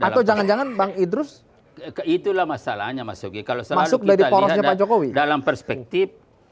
atau jangan jangan bang idrus ke itulah masalahnya masuknya kalau selalu dari dalam perspektif